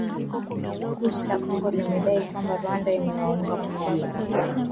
Jeshi la Kongo limedai kwamba Rwanda inawaunga mkono waasi hao kutekeleza mashambulizi dhidi ya kambi za jeshi